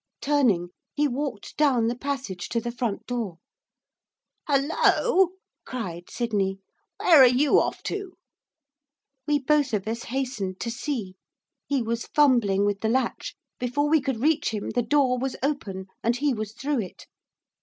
Turning, he walked down the passage to the front door. 'Hollo!' cried Sydney. 'Where are you off to?' We both of us hastened to see. He was fumbling with the latch; before we could reach him, the door was open, and he was through it.